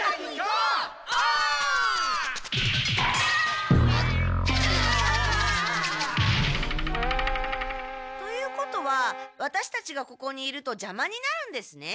うわ！ということはワタシたちがここにいるとじゃまになるんですね？